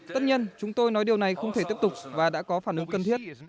tất nhiên chúng tôi nói điều này không thể tiếp tục và đã có phản ứng cần thiết